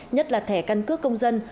nhất là thẻ căn cước công dân